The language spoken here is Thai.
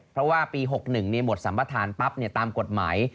เพราะว่าปี๖๑มีหมดสัมพทานปั๊บเนี่ยตามกฎหมาย